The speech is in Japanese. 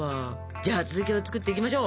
じゃあ続きを作っていきましょう。